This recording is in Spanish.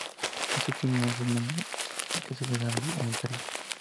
Este último es el nombre que se le da en el Caribe.